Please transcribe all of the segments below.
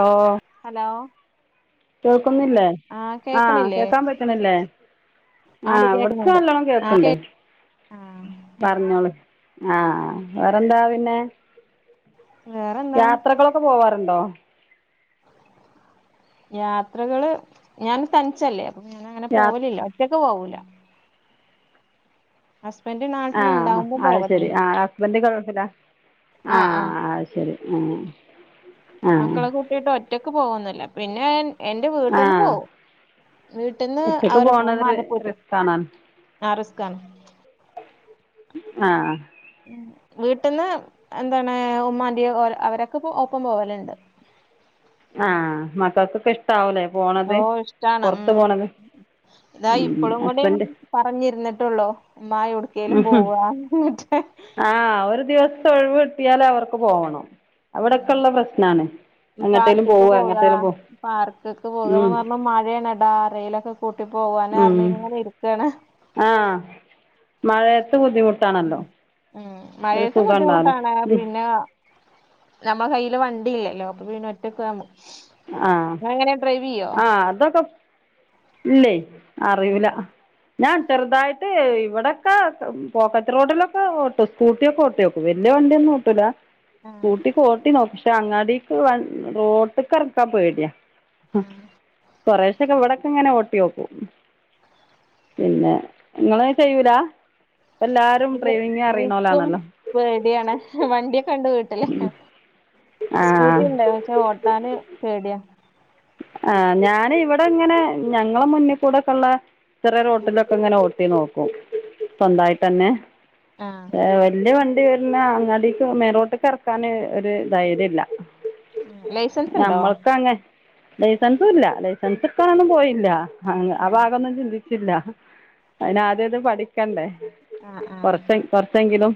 ഓ hello കേൾക്കുന്നില്ലേ ആഹ് ആ കേക്കണില്ലേ കേക്കാൻ പറ്റണില്ലേ ണ്ട് ആഹ് അവിടത്തെ കേക്കുന്നുണ്ട് നല്ലോണം ആഹ് കേ കേക്കണ്ട് പറഞ്ഞോള് ആ വേറെന്താ പിന്നെ വേറെന്താ യാത്രകളൊക്കെ പോവാറുണ്ടോ യാത്രകള് ഞാന് തനിച്ചല്ലേ അപ്പ ഞാനങ്ങന യാ പോവലില്ല ഒറ്റക്ക് പോവൂല ഹസ്ബൻഡ് ആ നാട്ടിൽ ഇണ്ടാവുമ്പോ അത് ശരി പോവലുണ്ട് ആ ഹസ്ബൻഡ് ഗൾഫില ആ ആഹ് ആഹ് അത് ശരി ആ മക്കളെ കൂട്ടിയിട്ട് ഒറ്റക്ക് പോകുന്നില്ല പിന്നെ എന്റെ വീട്ടന്ന് ആഹ് പോവും വീട്ടിന്ന് ഒറ്റക്ക് അവരെ പോണത് റി [unintelligible] റിസ്കാണ് ആ റിസ്ക്കാണ് ആ വീട്ടന്ന് എന്താണ് ഉമ്മാന്റിയ അവരൊക്കെ ഒപ് ഒപ്പം പോവലുണ്ട് [unintelligible] ആ മക്കക്കൊക്കെ ഇഷ്ടാവുല്ലെ പോണത് ഓ ഇഷ്ടാണ് പൊർത്ത് ഉം പോണത് ഇതാ ഉം ഇപ്പളും കൂടി ഹസ്ബൻഡ് പറഞ്ഞിരുന്നിട്ടെ ഒള്ളു അമ്മ എവിടെ ക്കെലും പോവാന്ന് [unintelligible] ആഹ് ഒരു ഒഴിവ് കിട്ടിയാലവർക്ക് പോവണം അവിടക്കെള്ള പ്രശ്നാണ് എങ്ങട്ടേലും പാർക്കൊക്കെ പോവാ പോക എങ്ങട്ടേലും പോ പാർക്കക്കെ പോക ഉം ഞാൻ പറഞ്ഞ് മഴയാണ് ഡാ റയിലൊക്കെ പൂട്ടി ഉം പോവാനാർനങ്ങനെ ഇരിക്കാണ് ആഹ് മഴയത്ത് ഉം ബുദ്ധിമുട്ടാണല്ലോ ഉം ഒരു മഴയത്ത് ബുദ്ധിമുട്ടാണ് സുഖണ്ടാവൂല പിന്നെ നമ്മ കൈയ്യില് വണ്ടി ഇല്ലല്ലോ അപ്പൊ പിന്ന ഒറ്റക്കോവും നമ്മക്ക് ആ ആ അതൊക്കെ ഇല്ലേ അറിയൂല്ല ഞാൻ ചെറുതായിട്ട് ഇവിടൊക്ക പോക്കത്ത് റോഡിലൊക്കെ ഓട്ടും സ്കൂട്ടിയൊക്കെ ഓട്ടിനോക്കും വല്യ വണ്ടിയൊന്നും ഓട്ടൂല്ല ആഹ് സ്കൂട്ടിക്ക ഓട്ടി നോക്കും പക്ഷെ അങ്ങാടിക്ക വ റോട്ടി ക്കെറക്കാൻ പേടിയാ ആഹ് കൊറെശ്ശോക്കെ ഇവിടക്കിങ്ങന ഓട്ടിനോക്കും പിന്നെ നിങ്ങള് ചെയ്യൂല ഇപ്പം എല്ലാവരും ഇല്ല ഡ്രൈവിംഗ് എനിക്കും അറിയുന്നോലാണല്ലോ പടിയാണ് വണ്ടിയൊക്കെ എണ്ട് വീട്ടില് ആ സ്കൂട്ടി ഇണ്ട് പക്ഷെ ഓട്ടാന് പേടിയാ ആ ഞാന് ഇവിടെ ഇങ്ങനെ ഞങ്ങളെ മുന്നികൂടെക്കെ എള്ള ചെറിയറോട്ടിലൊക്കെ ഇങ്ങനെ ഓട്ടി നോക്കും സ്വന്തായിട്ടന്നെ ആഹ് ഏ വല്യ വ ണ്ടി വരുന്ന അങ്ങാടിക്ക് മെയിൻറോട്ടിക്കെറക്കാന് ഒരു ധൈര്യല്ല ലൈസൻസ് ഇണ്ടോ ലൈസൻസു ഇല്ല ലൈസൻസ് എടുക്കാനൊന്നും പോയില്ല അ ഭാഗൊന്നും ചിന്തി ച്ചില്ല അയിന് ആദ്യ അത് പഠിക്കണ്ടേ ആഹ് ആഹ് കൊറച്ചെ കൊറച്ചെങ്കിലും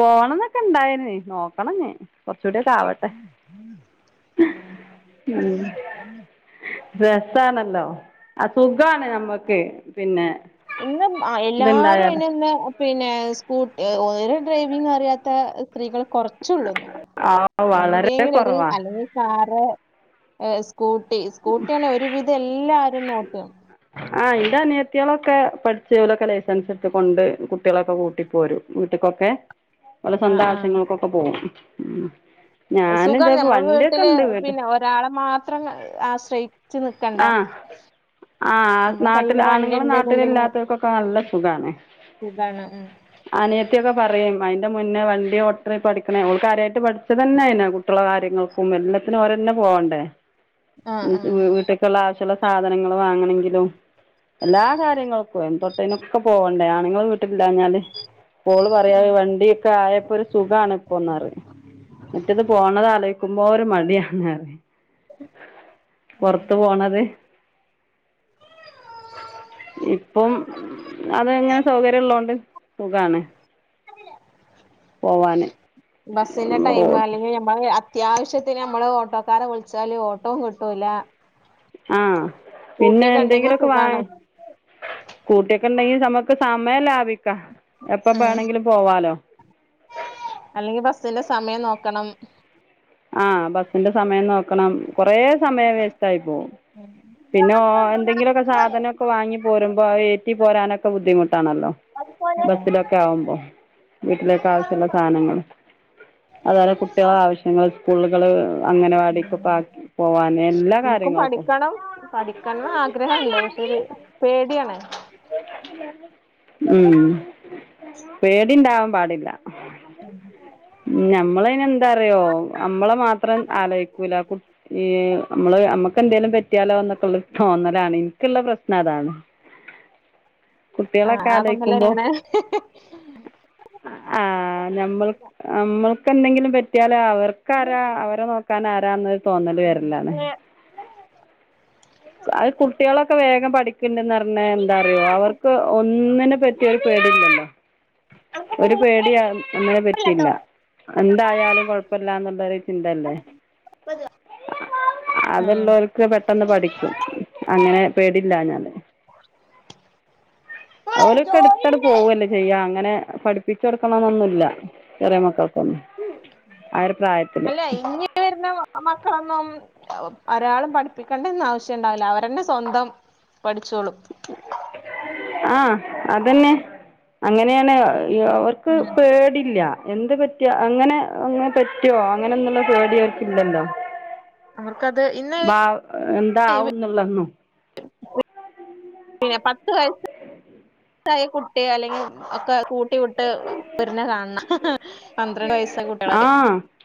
പോണന്നക്കെ ഇണ്ടായിന് നോക്കണഞ്ഞി കുറച്ചൂടൊക്കെ ആവട്ടെ ആഹ് ഉം രസാണ ല്ലോ ആ സുഖാണ് ഞമ്മക്ക് പിന്നെ ഇന്ന് എല്ലാരും ഇത്ണ്ടായാല് അയ്ന് ഇന്ന് പിന്നെ സ്കൂട്ടി ഒരു ഡ്രൈവിംഗ് അറിയാത്ത സ്ത്രീകൾ കുറച്ച്ള്ളുന്ന് ആ വളരെ എന്തേലൊരു കൊറവാ അല്ലെങ്കി കാറ് ഏസ്കൂട്ടി സ്കൂട്ടിയന്നെ ഒരുവിധം എല്ലാരുംനോട്ടാ ആന്റെ അനിയത്തികളൊക്കെ പഠിച്ച് ഓലൊക്കെ ലൈസൻസ് എടുത്തു കൊണ്ട് കുട്ടികളൊക്കെ കൂട്ടിപ്പോരും വീട്ട് ക്കൊക്കെ ഓലെ ആഹ് സ്വന്തം ആഹ് ആവശ്യങ്ങൾക്കൊക്കെ പോകും സുഖാണ് ഞമ്മള് വീട്ടില് പിന്നെ ഒരാളെ മാത്രം ആശ്രയി ച്ച് നിക്കണ്ടാ ആ നാട്ടിൽ ആണുങ്ങള് ഇണ്ട്ന്നുണ്ടെങ്കി നാട്ടിലില്ലാത്തോൽക്കൊക്കെ നല്ല സുഖാനേ സുഖാണ് ഉം അനിയത്തിയൊക്കെ പറയും അയി ൻ്റെ മുന്നേ വണ്ടിഓട്ടി പഠിക്കണ ഓള് കാര്യയിട്ട് പഠിച്ചത് തന്നൊഅയിനാ കുട്ടിളെ കാര്യങ്ങൾക്കും എല്ലാത്തിനും ഓരന്നെ പോ പോണ്ടേ ആആ ആവശ്യല്ല സാധനങ്ങൾ വാങ്ങണെങ്കിലും എല്ലാ കാര്യങ്ങൾക്കും എ തൊട്ടേനൊക്കെ പോവണ്ടേ ആണ്ങ്ങൾ വീട്ടില്ലഞ്ഞാല് ഓള് പറയാ ആഹ് വണ്ടിയൊക്കെ ആയപ്പോ ഒരു സുഖാണ് മറ്റേത് പോണതലോ ചികുമ്പോ ഒരു മടിയാണ് പൊറ അതെ ഇപ്പം അത് എങ്ങനെ സൗകര്യം ഉള്ളൊണ്ട് സഖാണ് ബസിന്റെ ടൈം അല്ലെങ്കിൽ നമ്മള അത്യാവശ്യത്തിന് നമ്മള് ഓട്ടോക്കാരെ വിളിച്ചാല് ഓട്ടോവും കിട്ടൂല ആ പിന്നെ സ്കൂട്ടിയൊക്കെ ഉണ്ടെങ്കി എന്തെങ്കിലുമൊക്കെ വാ സുഖാണ് സ്കൂട്ടിയൊ ണ്ടെങ്കി നമുക്ക് സമയം ലാഭി ക്കാ എപ്പ ഉം ബാണങ്കിലും പോവാലോ സിന്റെ സമയം നോക്കണം ആ ബസ്സിന്റെ സമയം നോക്കണം കൊറേ സമയം വേസ്റ്റ് ആയി ഉം പിന്നെഓ എന്തെങ്കിലുമൊക്കെ സാധനൊക്കെ വാങ്ങി പോരുമ്പോഅ ഏറ്റി പോരാനൊക്കെുദ്ധിമു ട്ടാണല്ലോ ബസ്സിലൊക്കെ ആവുമ്പോ വീട്ടിലേക്കെ ആവശ്യമുള്ള സാനങ്ങൾ അതോല കുട്ടികള ആവശ്യങ്ങൾ സ്കൂളുകള് അംഗനവാടികൊക്ക ആക്കി പോവാന എല്ലാ എനിക്കും കാര്യങ്ങൾക്കും പഠിക്കണം പഠിക്കണം ആഗ്രഹണ്ട് പക്ഷെ പേടിയാണ് ഉം പേടിണ്ടാവാൻ പാടില്ല ഉം നമ്മളനെ എന്താറിയോ നമ്മള മാത്രം ആലോചക്കൂല്ല കു ഈ നമ്മള് നമ്മക്ക് എന്തെേലും പറ്റിയാലോ എന്നൊക്കെള്ള തോന്നലാണ് എനിക്കുള്ള പ്രശ്നം അതാണ് ആ കുട്ടികളൊക്കെ ആ അതൊന്നലന്നാണ് ആനമ്മൾ നമ്മൾ എന്തെങ്കിലും പറ്റിയാല് അവർക്ക്രാ അവരെ നോക്കാൻ ആരാന്ന് തോന്നല് ഉം വരലാാണ് അത് കുട്ടികളൊക്കെ വേഗം പഠ ണ്ടന്ന് പറഞ്ഞ എന്താറിയോ അവർക്ക് ഒന്നിനെ പറ്റിയൊരു പേടില്ലല്ലോ ഒരു പേടി അമ്മനെ പറ്റിയില്ല എന്തായാലും കൊഴപ്പില്ലാന്നുള്ളരു ചിന്തയല്ലേ പഞ്ഞ അതള്ളവർക്ക് പെട്ടെന്ന് പഠിക്കും അങ്ങനെ പേടില്ല ഞാല് അവലൊക്കെ അടുത്തടെ പോവല്ലേ ചെയ്യ അങ്ങനെ പഠിപ്പിച്ചു കൊടുക്കണന്നൊന്നുമല്ല ചെറിയ മക്കൾ ഉ അല്ല ഇങ്ങ വരുന്ന മാ മക്കളൊന്നും ഒരാളും പഠിപ്പിക്കണ്ടന്ന ആവശ്യംുണ്ടാവില്ല അവരന്നെ സ്വന്തം പഠിച്ചോളും [inaudible] ആഹ അതന്നെ അങ്ങനെയാണ് അവർക്ക് ഉം പേടില്ല എന്ത് പറ്റിയ അങ്ങനെ അങ്ങനെ പറ്റിയോ അങ്ങനെന്നുള്ള ചോദ അവർക്ക ഇല്ലന്തോ അവർക്കത് ഇന്ന് ബാ എന്താ ആന്നള്ളന്നു [unintelligible] ഓ പിന്നെ പത്ത് വയസാ വയസായ കുട്ടി അല്ലെങ്കിൽ ഒക്കെ കുട്ടി വിട്ട് കുരനെ കാണണം പന്ത്രണ്ട് വയസ ആ കുട്ടികളര്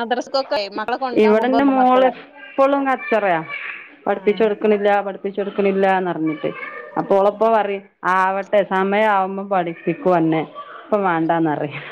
മദ്രസ്ൊക്കെ ആ ഇവിടെന്റെ മോള് എപ്പോഴും കച്ചറയ പഠിപ്പിച്ച് ആഹ് കൊടുക്കണില്ല പഠിപ്പി- കൊടുക്കണില്ലന്ന്റിഞ്ഞിട്ട് അപ്പൊ ഉളളിപ്പോ പറയും ആവട്ടെ സമയം ആവുമ്പോ പഠിപ്പിക്കൂ അന്നെ ഇപ്പൊ വേണ്ടാന്നറിയാം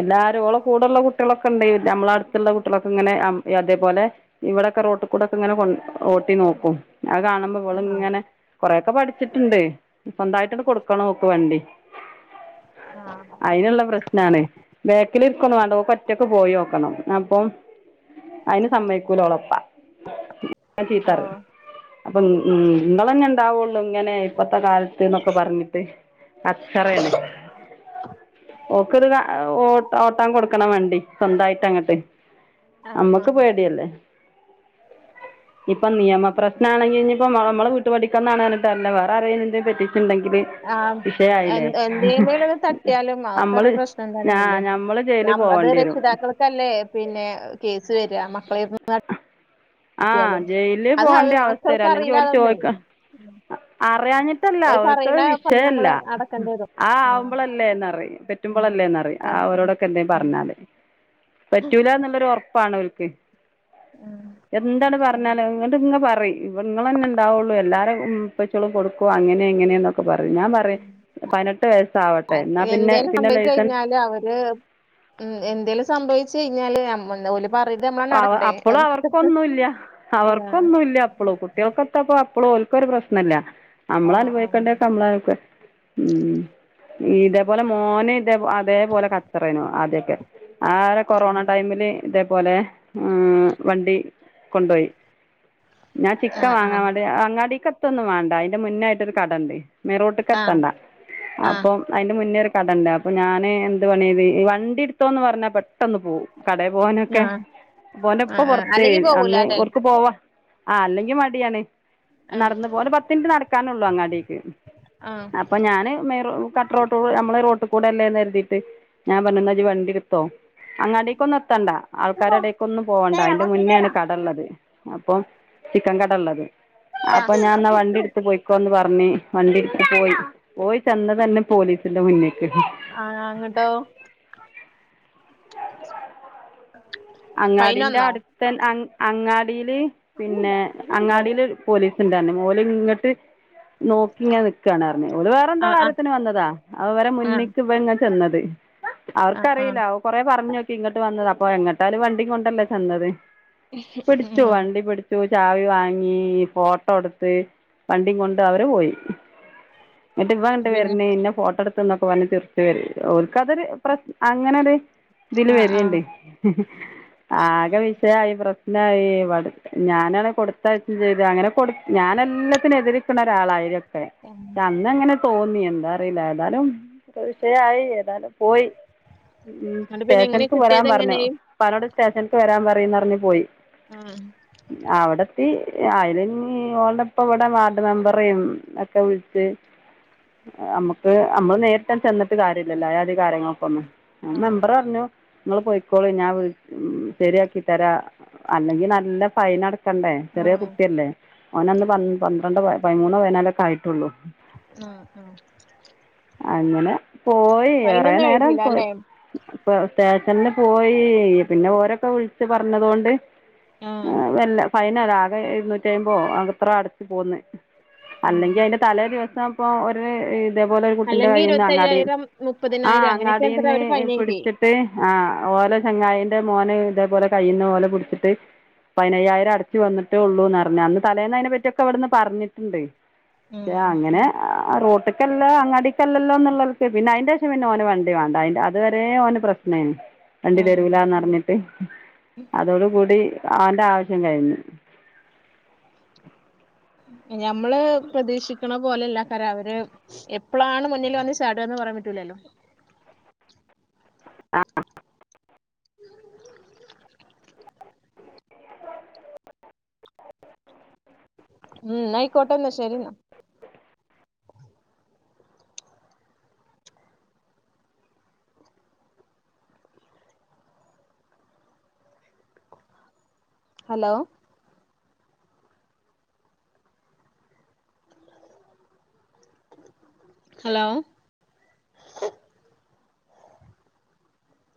എല്ലാരുംഓളെ കൂടെള്ള കുട്ടികളൊക്കെ ഉണ്ട് നമ്മള അടുത്തുള്ള കുട്ടികളൊക്കെ ഇങ്ങനെ അതേപോലെ ഇവിടെ [unintelligible] റോട്ടി കൂടൊക്കെ ഇങ്ങെ കൊ ഓട്ടി നോക്കും അത് കാണുമ്പോ ഇളും ആഹ് ഇങ്ങനെ കൊറയോക്കെ പഠിച്ചിട്ടുണ്ട് സ്വന്തമായിട്ട്ന്ന് കൊടുക്കണം നോക്ക വണ്ടി ആഹ് അതിനുള്ള പ്രശ്നാണ് ഒക്കൽ ഇരിക്കണ വേണ്ട ഒറ്റക്ക പോയി വോക്കണം അപ്പൊ അതിന് സമ്മക്കൂല ഓളപ്പാ എന്നെ ചീത്തറയു ഓഹ് അപ്പം ഉങ്ങ നിങ്ങന്നെ ഉണ്ടാവുള്ളൂ ഇങ്ങനെ ഇപ്പത്തെ കാലത്ത്ന്നൊക്കെ പറഞ്ഞിട്ട് കച്ചറയാണ് ഓക്കത്ത് ഓ ഓട്ടൻ കൊടുക്കണം വേണ്ടി സ്വന്തമായിട്ട് അങ്ങട്ട് ആഹ് നമ്മക്ക് ആഹ് പേടല്ലേ [unintelligible] ഇപ്പൊ നിയമപ്രശ്ന ആണെങ്കിൽ ഇഞ്ഞിപ്പോ നമ്മള വീട്ടു പഠിക്കുന്നണാനിട്ട അല്ല വേറെ അറിയുന്ന പറ്റി ആഹ എ എന്മേൽത് തട്ടിയാലും നമ്മള് അവക്കരു പ്രശ്നം ഞാ ന്നല്ലേ ഞമ്മള് ജയില് ഞാ അത് പോവേണ്ടി വരും രക്ഷിതാക്കൾക്കല്ലേ പിന്നെ കേസ് വര അപ്പ [unintelligible] ആഹ ജയില് പോകണ്ട അവസ്ഥരാ മക്കൾക്ക് അല്ലെങ്കി അറിയില്ല അവര് അതൊന്നേ ചോദിക്കാ അറിയഞ്ഞിട്ടല്ല ഓര് അവർക്ക് പറയണ ഫൈൻ വിഷയല്ല നമ്മള് അടക്കേണ്ടി വരും ആ ആഹ് ആവുമ്പോളല്ലേന്ന് അറിയും പറ്റുമ്പോൾല്ലേന്ന്റിയാം ആഹ് ആഹ് അവരോടൊക്കെ എന്തെും ആഹ് പറഞ്ഞാല് പറ്റൂല എന്നുള്ളൊരു ഉറപ്പാണ് ഓക്കെ ആഹ എന്താണ് പറഞ്ഞാലേ ഇങ്ങ് ഇങ്ങ പറയും ഇ നിങ്ങ തന്നെ ഉണ്ടാവുള്ളൂ എല്ലാരും ഉപ്പച്ചോളൂ കൊടുക്കുവോ അങ്ങനെ ഇങ്ങനെയക്കെ പറ ഞാൻ പറയും പതിനെട്ട് വയസ്സ ആാവട്ടെ എന്നാ പിന്നെ എന്തേലും പിന്നെ സംഭവിച്ചു ലൈസൻസ് കഴിഞ്ഞാല് അവര് ഉം എന്തേലും സംഭവിച്ചു കഴിഞ്ഞാല് ഞമ്മ [unintelligible] അവ അപ്പപ്പോഴും അവർക്കൊന്നുംല്ല ആഹ് അവർക്കൊന്നുംല്ല അപ്പളും കുട്ടികൾക്കോക്ക എത്തപ്പോ അപ്പോള ഓക്ക ഒരു പ്രശ്നമല്ല നമ്മള ആഹ് അനുഭവിക്കേണ്ടക്കെ നമ്മള ഉം ഇതേപോലെ മോന ഇത അതേപോലെ കച്ചറനും ആദ്യൊക്കെ ആ കൊറോണ ആഹ് ടൈമില് ഇതേപോലെ ആ വണ്ടി കൊണ്ടുപോയി ഞാൻ ചിക്കൻ ആഹ് ആഹ് വാങ്ങാൻ അങ്ങാടിക്ക ത്തൊന്നും വേണ്ട അതിന്റെ മുന്നോയിട്ടൊരു കടണ്ട് മെറോട്ട് ആഹ് കത്തണ്ട ആഹ് അപ്പം അതിന്റെ മുന്നേ ഒരു കടണ്ട അപ്പൊ ഞാാന് എന്ത് വണത് ഈ വണ്ടി എടുത്തോന്ന് പറഞ്ഞാൽ പെട്ടന്ന് പോകവും കടയിൽ പോനൊക്കെ ആഹ് പോന ഇപ്പ ആഹ് ആഹ് പുൊറത്ത് അല്ലെങ്കി അന്ന് പോകൂലാല്ലേ ഒർക്ക് പോവാ ആ അല്ലെങ്കിൽ മടിയാണ് ആഹ് നടന്ന പോ ഒരു പത്ത് മിനിറ്റ് നടക്കാനൊള്ളു അങ്ങാടിക്ക് ആഹ് അപ്പൊ ഞാന് മ കട്ടറോട്ട് നമ്മളെ റോട്ട് ഇടക്കൂടെ അല്ലെ കരുതിട്ട് ഞാൻ പറഞ്ഞു ന്ന ജ്ജ് വണ്ടി എടുത്തോ അങ്ങാടീക്കൊന്നും എത്തേണ്ട ആൾക്കാരുടെ ഒന്നും പോണ്ട തരാ അതിന്റെ കൊറച്ച് മുന്നെയാണ് തരാ കട ഉള്ളത് അപ്പൊ ചിക്കൻ കട ഉള്ളത് അപ്പൊ ആഹ് ഞാൻ എന്നാ വണ്ടി എടുത്ത് പോയിക്കോന്ന് പറഞ്ഞ്. വണ്ടിക്ക പോയി പോയി ചെന്ന തന്നെ പോലീസിന്റെ മുന്നിൽ ആഹ ങ്ങട്ടോ ഫൈന് അങ്ങാടിന്റെ വന്നോ അടുത്ത അങ്ങാടീൽ ആഹ് പിന്നെ അങ്ങാടിൽ പോലീ ന്തന്നെ ഓലെ ഇങ്ങട്ട് നോക്കി ഇങ്ങെനെ നിക്കാണ് പറഞ്ഞത് അവർ വേറെ എന്തോ ആഹ് ആഹ് കാര്യത്തിന് വന്നതാ അവരെ ആഹ് മുന്നിക്ക് ഇവൻ ചെന്നത് ആഹ് ആഹ് അവർക്കറിയില്ല അവ കൊറെേ പറഞ്ഞ് നോക്കി ഇങ്ങോട്ട് വന്നത് അപ്പൊ എങ്ങോട്ടാലും വണ്ടി കൊണ്ടല്ലേ ചെന്നത് പിടിച്ച് ഉം വണ്ടി പിടിച്ചു ചാവി വാങ്ങി ഫോട്ടോ എടുത്ത് വണ്ടി കൊണ്ട് അവര് പോയി. എന്നിട്ട് ഇവ ങ്ങിട്ട് പിന്നെ വരുന്നേ ഇന്നെ ഫോട്ടോ എടുത്ത്ന്നൊക്കെ പറഞ്ഞ് ചിരിച്ചു വരുന്നു ഓല്ക്കതരു പ്രശ്ന അങ്ങനൊരു ഇതില് ആഹ് വരണ്ട് ആഹ് ഹി ഹി ആകെ വിശയായി പ്രശ്നായി ഞാനാണ് കൊടുത്തയച്ചു ചെയ്ത് അങ്ങനെ കൊടു ഞ എല്ലാത്തിനും എതിരിക്കുന്ന ഒരാളായി അന്ന അങ്ങനെ തോന്നി എന്താ അറിയില്ല ഏതാലും വിഷയായി ഏതാലും പോയി ഉം എന്നിട്ട് പിന്നെ എങ്ങനെ സ്റ്റേഷൻക്ക് വരാൻ കിട്ടിയത് പറഞ്ഞു. എങ്ങനെ ഇപ്പാനോട് സ്റ്റേഷൻക്ക് വരാൻ പറീന്നറിഞ്ഞ് പോയി. ആഹ് ത്തി അയ്‌ലെ ഇഞ്ഞി ഓൾടെപ്പ ഇവടെ വാർഡ് മെമ്പറിം ഒക്കെ വിളിച്ച്, അമ്മക്ക് അമ്മള് നേരിട്ടാണ്ട് ചെന്നിട്ട് കാര്യല്ലല്ലോ ആയാധി കാര്യങ്ങൾക്ക് ഒന്നും. ആ ആഹ് മെമ്പർ പറഞ്ഞു ഇങ്ങള് പൊയ്ക്കോളിം ഞാ പ് ഉം ശരിയാക്കി തരാ അല്ലെങ്കി നല്ല ഫൈൻ അട ക്കണ്ടേ ചെറിയ ആഹ് കുട്ടിയല്ലേ ഓനന്ന് പ ആഹ് പന്ത്രണ്ട് പയ്മൂന്നോ പയ്നാലൊക്കെ ആയിട്ടൊള്ളൂ. ആഹ് ആഹ് അങ്ങനെ പോയി ഏറേ ഫൈനൊന്നും നേരം എഴുതിയില്ല പോയ് അല്ലേ പ് സ്റ്റേഷനില് പോയി പിന്നെ ഓരൊക്കെ വിളിച്ച് പറഞ്ഞത് കൊണ്ട് ആഹ് ഏഹ് വല്ല ഫൈനതാ ആകെ ഇരുന്നൂറ്റി അയ്മ്പതോ അത്ര അടച്ച് പോന്ന് ഉം അല്ലെങ്കി അതിന്റെ തലേ ദിവ സാപ്പ ഒരേ ഇതേപോലൊരു കുട്ടിന്റെ അല്ലെങ്കി കയ്യീന്ന് അങ്ങാടി ഇരുപത്തയ്യായിരം ആഹ് മുപ്പതിനായിരം അങ്ങനെയൊക്കെ എത്രേ അങ്ങാടീന്ന് അവര് ഫൈൻ എഴുതിയേ പിടിച്ചിട്ട് ആഹ് ഓലെ ചങ്ങായിന്റെ മോന് ഇതേപോലെ കയ്യീന്ന് ഓലെ പിടിച്ചിട്ട് പതിനയ്യായിരം അടച്ച് വന്നിട്ടേ ഉള്ളൂന്നറഞ്ഞു അന്ന് തലേന്ന് അതിനെ പറ്റിയൊക്ക ഇവിടുന്ന് പറഞ്ഞിട്ടിണ്ട് ഉം യാ അങ്ങനെ ആഹ് റോഡ് ഒറ്റക്കല്ല അങ്ങടിക്കല്ലല്ലോന്നുള്ളവക്ക് പിന്നെ അതിന്റേഷം പിന്നെ ഓന് വണ്ടി വേണ്ട അതിന്റ അത് വരേ ഓന് പ്രശ്നേയിരുന്നു. വണ്ടി ആഹ് തരൂല്ലാന്നറിഞ്ഞിട്ട് അതോട് കൂടി അവന്റാവശ്യം കഴിഞ്ഞു. ഞമ്മള് പ്രതീക്ഷിക്കണ പോലെ അല്ല കാരം അവര് എപ്പളാണ് മുന്നില് വന്ന് ചാടുകാന്ന് പറയാൻ പറ്റൂ ലാലോ ഉം എന്നായിക്കോട്ടേന്ന ശെരീന്ന ഹലോ ഹലോ